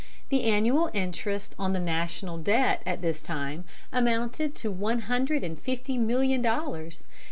The annual interest on the national debt at this time amounted to one hundred and fifty million dollars.